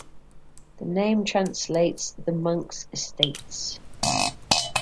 The name translates "the monks' estates".